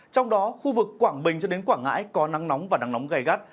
trong đó khu vực quảng bình cho đến quảng ngãi có nắng nóng và nắng nóng gai gắt